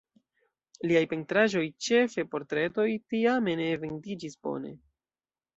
Liaj pentraĵoj, ĉefe portretoj, tiame ne vendiĝis bone.